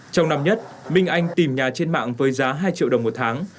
trong năm nhất minh anh tìm nhà trên mạng với giá hai triệu đồng một tháng